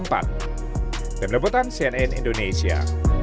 dan berlebutan cnn indonesia